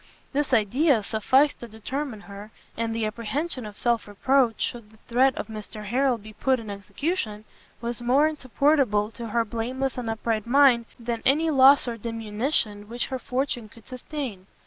This idea sufficed to determine her; and the apprehension of self reproach, should the threat of Mr Harrel be put in execution, was more insupportable to her blameless and upright mind, than any loss or diminution which her fortune could sustain.